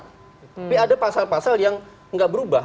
tapi ada pasal pasal yang nggak berubah